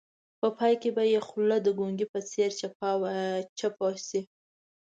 په پای کې به یې خوله د ګونګي په څېر چپه شي.